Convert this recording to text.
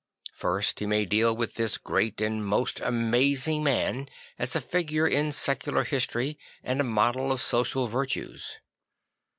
First, he may deal with this great and most amazing man as a figure in secular history and a model of social virtues.